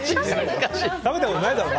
食べたことないだろ。